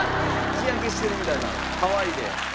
日焼けしてるみたいなハワイで。